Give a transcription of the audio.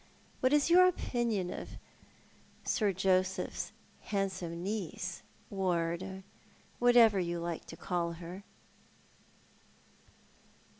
What is your opinion of Sir Joseph's handsome niece — ward — whatever you like to call her?